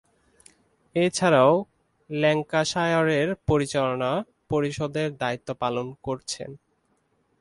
এছাড়াও, ল্যাঙ্কাশায়ারের পরিচালনা পরিষদের দায়িত্ব পালন করছেন।